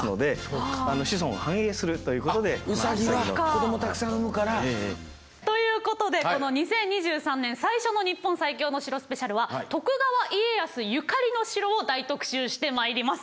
あっウサギは子どもたくさん産むから。ということでこの２０２３年最初の「日本最強の城スペシャル」は徳川家康ゆかりの城を大特集してまいります。